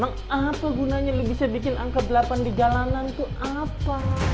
apa gunanya bisa bikin angka delapan di jalanan itu apa